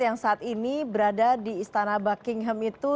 yang saat ini berada di istana buckingham itu